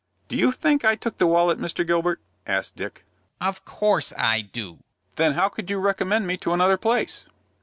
"Do you think I took the wallet, Mr. Gilbert?" asked Dick. "Of course I do." "Then how could you recommend me to another place?"